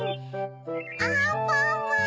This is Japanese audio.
アンパンマン。